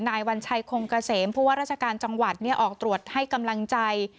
วัญชัยคงเกษมผู้ว่าราชการจังหวัดออกตรวจให้กำลังใจ